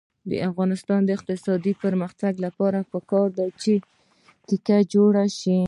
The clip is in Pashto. د افغانستان د اقتصادي پرمختګ لپاره پکار ده چې تکه جوړه شي.